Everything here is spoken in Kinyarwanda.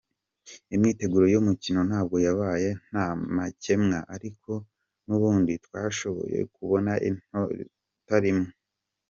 Imyiteguro y'umukino ntabwo yabaye ntamacyemwa, ariko nubundi twashoboye kubona inota rimwe".